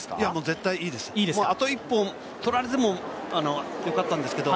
絶対いいです、あと１本取られてもよかったんですけど